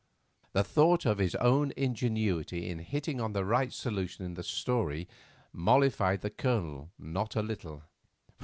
The thought of his own ingenuity in hitting on the right solution of the story mollified the Colonel not a little.